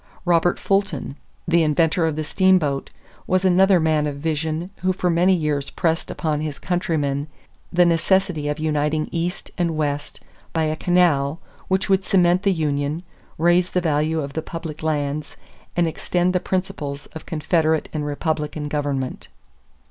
Robert Fulton, the inventor of the steamboat, was another man of vision who for many years pressed upon his countrymen the necessity of uniting East and West by a canal which would cement the union, raise the value of the public lands, and extend the principles of confederate and republican government.